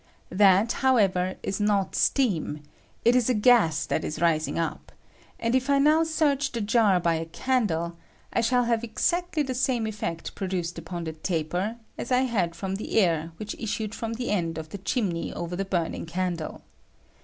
That, however, is not steam ; it is a gas that is rising up ; and if I now search the jar by a candle, I shall have exactly the same effect produced upon the taper as I had from the air which issued from the end of the chimney over the burning candle.